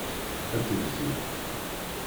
Ad tegzu.